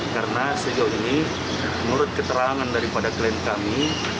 karena sejauh ini menurut keterangan daripada klaim kami